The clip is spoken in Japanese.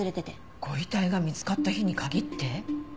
ご遺体が見つかった日に限って？